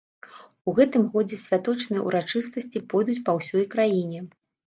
У гэтым годзе святочныя ўрачыстасці пойдуць па ўсёй краіне.